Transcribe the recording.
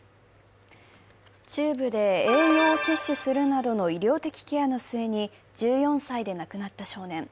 チューブで栄養を摂取するなどの医療的ケアの末に１４歳で亡くなった少年。